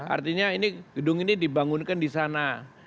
artinya gedung ini dibangunkan disana